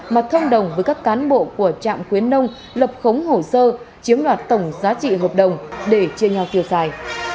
mà thông đồng với các cán bộ của trạm khuyến nông lập khống hồ sơ chiếm đoạt tổng giá trị hợp đồng để chia nhau tiêu xài